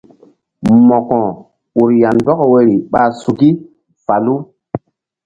Mo̧ko ur ya̧ndɔk woyri ɓa suki falu.